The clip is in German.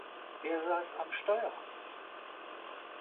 Wer saß am Steuer?